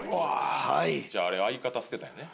じゃああれ相方捨てたんやね。